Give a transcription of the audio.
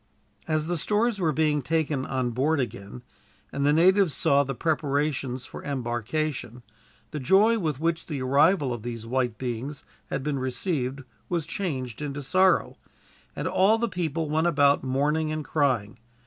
As the stores were being taken on board again, and the natives saw the preparations for embarkation, the joy with which the arrival of these white beings had been received was changed into sorrow, and all the people went about mourning and crying.